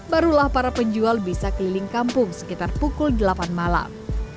barulah para penjual bisa keliling kampung sekitar pukul delapan malam